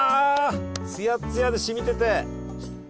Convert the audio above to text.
ツヤッツヤでしみてて。